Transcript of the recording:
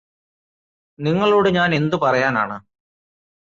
നിങ്ങളോട് ഞാനെന്തു പറയാനാണ്?